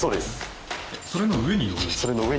それの上に乗る？